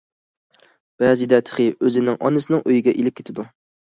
بەزىدە تېخى ئۆزىنىڭ ئانىسىنىڭ ئۆيىگە ئېلىپ كېتىدۇ.